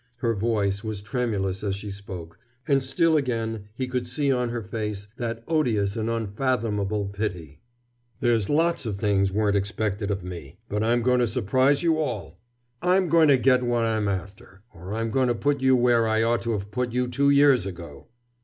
Her voice was tremulous as she spoke, and still again he could see on her face that odious and unfathomable pity. "There's lots of things weren't expected of me. But I'm going to surprise you all. I'm going to get what I'm after or I'm going to put you where I ought to have put you two years ago!"